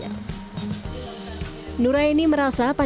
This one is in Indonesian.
nuraini merasa pandangnya tidak ada yang bisa dihapus